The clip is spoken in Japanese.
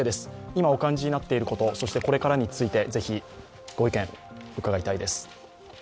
今、お感じになっていることそしてこれからについて、是非、ご意見伺いたいです。